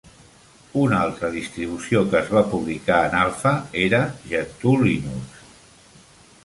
Una altra distribució que es va publicar en Alpha era Gentoo Linux.